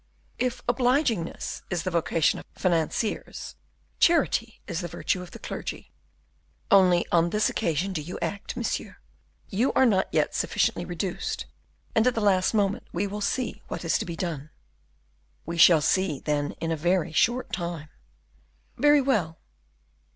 "If obligingness is the vocation of financiers, charity is the virtue of the clergy. Only, on this occasion, do you act, monsieur. You are not yet sufficiently reduced, and at the last moment we will see what is to be done." "We shall see, then, in a very short time." "Very well.